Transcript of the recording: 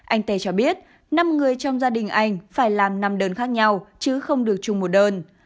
anh tê cho biết năm người trong gia đình anh phải làm năm đơn khác nhau chứ không được chung một đơn